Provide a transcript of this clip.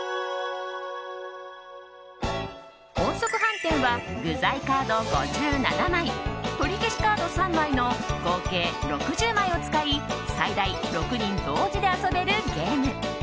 音速飯店は具材カード５７枚とりけしカード３枚の合計６０枚を使い最大６人同時で遊べるゲーム。